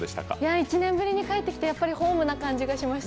１年ぶりに帰ってきて、ホームな感じがしました。